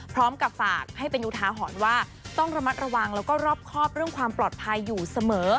พร้อมกับฝากให้เป็นอุทาหรณ์ว่าต้องระมัดระวังแล้วก็รอบครอบเรื่องความปลอดภัยอยู่เสมอ